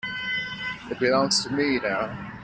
It belongs to me now.